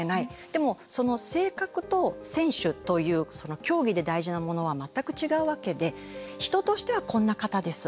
でも、その性格と選手という競技で大事なものは全く違うわけで人としてはこんな方です